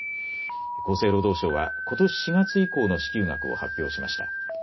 厚生労働省はことし４月以降の支給額を発表しました。